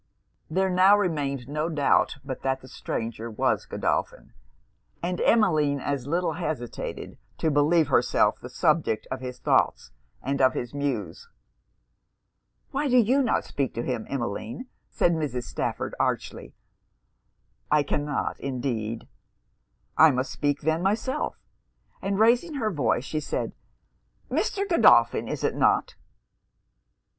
There now remained no doubt but that the stranger was Godolphin; and Emmeline as little hesitated to believe herself the subject of his thoughts and of his Muse. 'Why do you not speak to him, Emmeline?' said Mrs. Stafford archly. 'I cannot, indeed.' 'I must speak then, myself;' and raising her voice, she said 'Mr. Godolphin, is it not?'